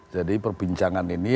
jadi perbincangan ini